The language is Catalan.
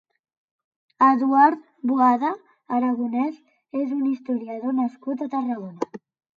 Eduard Boada Aragonès és un historiador nascut a Tarragona.